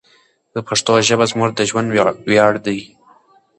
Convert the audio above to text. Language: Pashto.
پښتو ژبه زموږ د ژوند ویاړ دی.